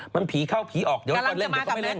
มันผีเข้าผีออกเดี๋ยวก็เล่นไม่เล่น